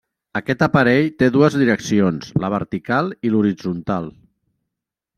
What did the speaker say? Aquest aparell té dues direccions, la vertical i l'horitzontal.